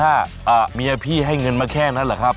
ถ้าเมียพี่ให้เงินมาแค่นั้นเหรอครับ